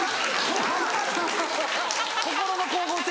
心の光合成。